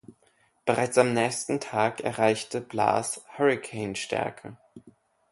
Bereits am nächsten Tag erreichte Blas Hurrikanstärke.